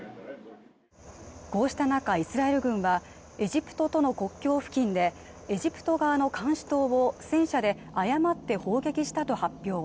こうした中イスラエル軍はエジプトとの国境付近でエジプト側の監視塔を戦車で誤って砲撃したと発表